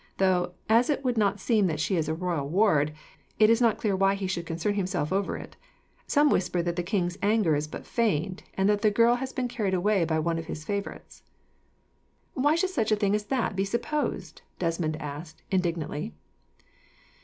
Though, as it would not seem that she is a royal ward, it is not clear why he should concern himself over it. Some whisper that the king's anger is but feigned, and that the girl has been carried off by one of his favourites." "Why should such a thing as that be supposed?" Desmond asked, indignantly.